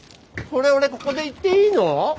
それ俺ここで言っていいの？